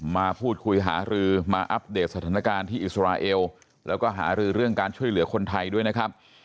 มาพูดคุยหารือมาอัปเดตสถานการณ์ที่อิสราเอลแล้วก็หารือเรื่องการช่วยเหลือคนไทยด้วยนะครับ